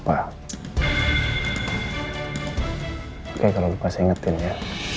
tetapi saya akan menjaga anggota ibu anda